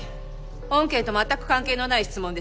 本件と全く関係のない質問です。